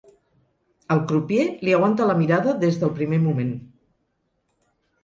El crupier li aguanta la mirada des del primer moment.